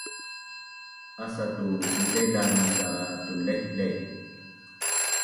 Asa tu tidailaz maca tunlehleh